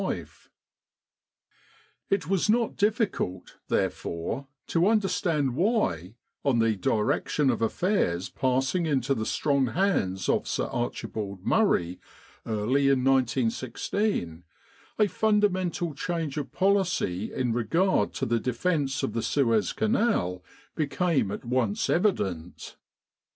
in Egypt It was not difficult, therefore, to understand why, on the direction of affairs passing into the strong hands of Sir Archibald Murray early in 1916, a fundamental change of policy in regard to the defence of the Suez Canal became at once evident.